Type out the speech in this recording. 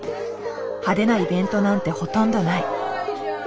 派手なイベントなんてほとんどない。